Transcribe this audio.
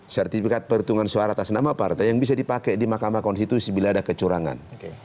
sertifikat perhitungan suara atas nama partai yang bisa dipakai di mahkamah konstitusi bila ada kecurangan